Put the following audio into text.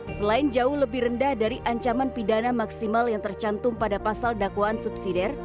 selain jauh lebih rendah dari ancaman pidana maksimal yang tercantum pada pasal dakwaan subsidi